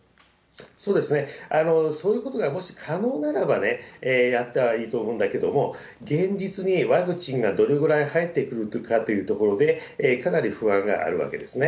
そうですね、そういうことがもし可能ならば、やったらいいと思うんだけれども、現実にワクチンがどれぐらい入ってくるかっていうところで、かなり不安があるわけですね。